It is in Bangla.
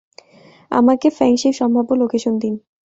আমাকে ফেংশির সম্ভাব্য লোকেশন দিন।